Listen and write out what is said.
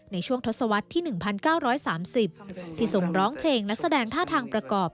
ในช่วงทศวรรษที่๑๙๓๐ที่ส่งร้องเพลงและแสดงท่าทางประกอบ